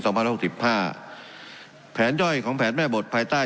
พันหกสิบห้าแผนย่อยของแผนแม่บทภายใต้